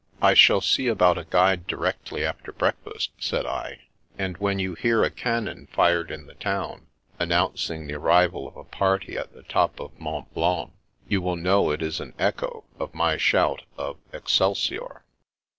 " I shall see about a guide directly after breakfast," said I, " and when you hear a cannon fired in the town announcing the arrival of a party at the top of Mont Blanc, you will know it is an echo of my shout of Excelsior